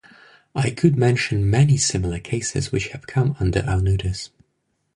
I could mention many similar cases which have come under our notice.